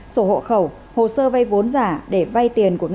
sổ hộ khẩu hồ sơ vay vốn giả để vay tiền